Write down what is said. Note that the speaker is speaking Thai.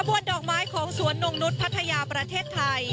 ขวดดอกไม้ของสวนนงนุษย์พัทยาประเทศไทย